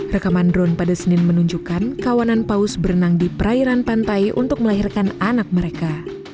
rekaman drone pada senin menunjukkan kawanan paus berenang di perairan pantai untuk melahirkan anak mereka